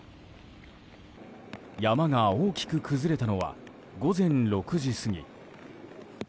山が大きく崩れたのは午前６時過ぎ。